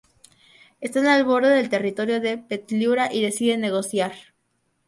Están al borde del territorio de Petliura y deciden negociar.